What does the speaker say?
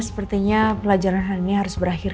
sepertinya pelajaran hal ini harus berakhir